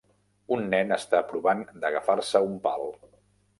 Un nen està provant d'agafar-se a un pal.